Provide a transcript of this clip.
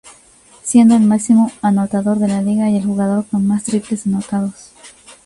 Siendo el máximo anotador de la liga y el jugador con más triples anotados.